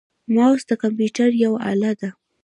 موس د کمپیوټر یوه اله ده.